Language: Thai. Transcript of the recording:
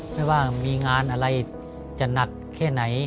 ไม่ว่ามีงานอะไรจะหนักแค่ไหน